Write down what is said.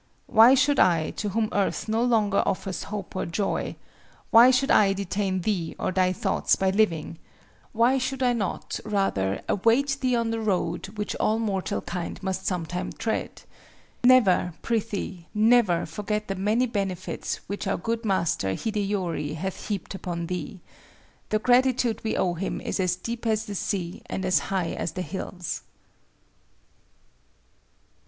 Why should I, to whom earth no longer offers hope or joy—why should I detain thee or thy thoughts by living? Why should I not, rather, await thee on the road which all mortal kind must sometime tread? Never, prithee, never forget the many benefits which our good master Hideyori hath heaped upon thee. The gratitude we owe him is as deep as the sea and as high as the hills."